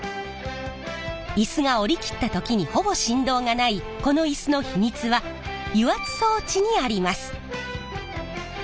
イスが下りきった時にほぼ振動がないこのイスの秘密は油圧装置にあります。